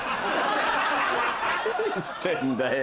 何してんだよ！